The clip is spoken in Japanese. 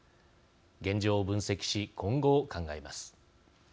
現状を分析し今後を考えます。